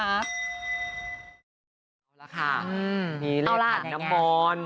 เอาละค่ะมีเลขขันน้ำมนต์